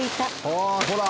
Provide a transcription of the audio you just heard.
ああほら！